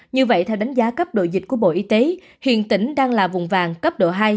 như vậy theo đánh giá cấp độ dịch của bộ y tế hiện tỉnh đang là vùng vàng cấp độ hai